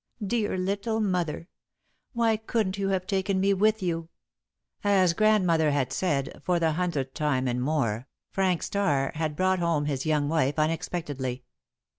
"Dear little mother! Why couldn't you have taken me with you!" As Grandmother had said, for the hundredth time and more, Frank Starr had brought home his young wife unexpectedly.